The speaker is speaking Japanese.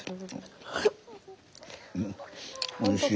おいしい。